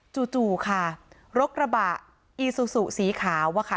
จู่จู่ค่ะรกระบะอีซูซูสีขาวว่าค่ะ